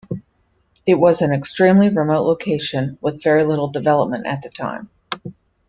It was an extremely remote location with very little development at the time.